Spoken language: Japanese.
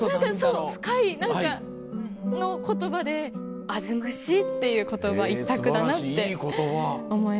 そう深い何かの言葉で「あずましい」っていう言葉一択だなって思います。